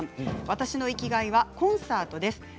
私の生きがいはコンサートです。